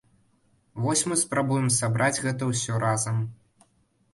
Вось мы спрабуем сабраць гэта ўсё разам.